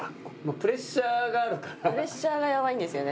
プレッシャーがやばいんですよね。